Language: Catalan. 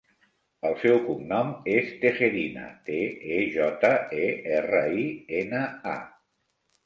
El seu cognom és Tejerina: te, e, jota, e, erra, i, ena, a.